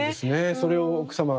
それを奥様は。